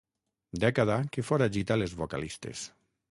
Dècada que foragita les vocalistes.